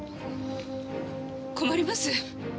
困ります。